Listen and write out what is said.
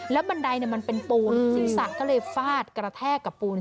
บันไดมันเป็นปูนศีรษะก็เลยฟาดกระแทกกับปูน